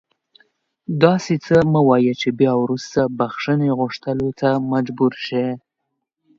داسې څه مه وایه چې بیا وروسته بښنې غوښتلو ته مجبور شې